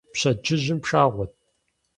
Пщэдджыжьым пшагъуэт.